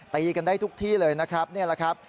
ตีกันได้ทุกที่เลยนะครับนี่แหละครับ